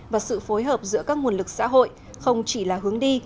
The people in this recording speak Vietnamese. và sự phối hợp giữa các nguồn lực xã hội không chỉ là hướng đi